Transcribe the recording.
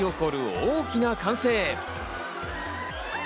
大きな歓声。